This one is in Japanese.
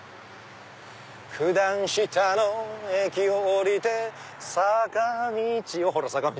九段下の駅をおりて坂道をほら坂道。